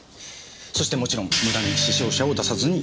そしてもちろん無駄に死傷者を出さずに済むわけです。